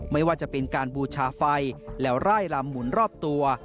ไม่ว่าจะเป็นการบูชาไฟแล้วไล่ลำหมุนรอบตัว